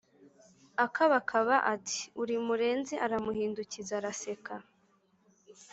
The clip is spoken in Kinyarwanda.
akabakaba ati"uri murenzi aramuhindukiza araseka